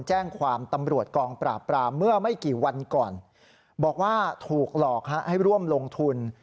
แจ้งความตำรวจกองปราบปรามเมื่อไม่กี่วันก่อนบอกว่าถูกหลอกให้ร่วมลงทุน